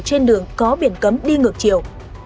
trên đường có biển cấm đi ngược chiều